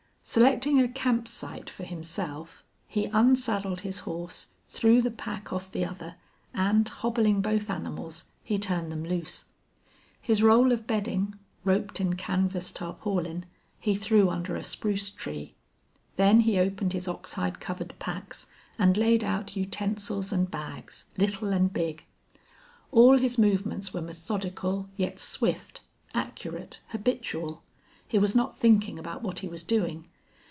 Selecting a camp site for himself, he unsaddled his horse, threw the pack off the other, and, hobbling both animals, he turned them loose. His roll of bedding, roped in canvas tarpaulin, he threw under a spruce tree. Then he opened his oxhide covered packs and laid out utensils and bags, little and big. All his movements were methodical, yet swift, accurate, habitual. He was not thinking about what he was doing.